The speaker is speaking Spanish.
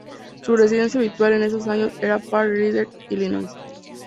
Su residencia habitual en esos años era Park Ridge, Illinois.